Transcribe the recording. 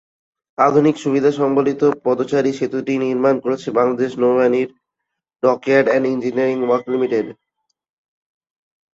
আধুনিক সুবিধা-সংবলিত পদচারী-সেতুটি নির্মাণ করেছে বাংলাদেশ নৌবাহিনীর dockyard and engineering work limited.